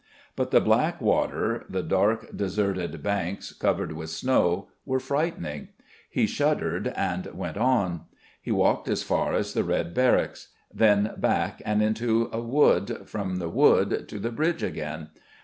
But the black water, the dark, deserted banks covered with snow were frightening. He shuddered and went on. He walked as far as the Red Barracks, then back and into a wood, from the wood to the bridge again.